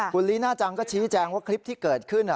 คุณลีน่าจังก็ชี้แจงว่าคลิปที่เกิดขึ้น